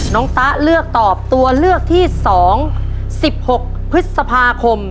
ตะเลือกตอบตัวเลือกที่๒๑๖พฤษภาคม